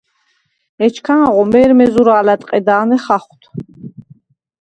ეჩქანღო მე̄რმე ზურა̄ლ ა̈დყედა̄ნე ხახუ̂დ.